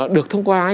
được thông qua ấy